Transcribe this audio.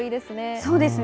そうですね。